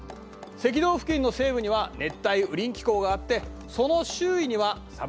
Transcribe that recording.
赤道付近の西部には熱帯雨林気候があってその周囲にはサバナ気候。